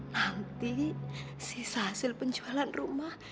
nanti sisa hasil penjualan rumah